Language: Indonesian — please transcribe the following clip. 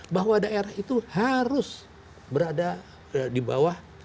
bahwa daerah itu harus berada di bawah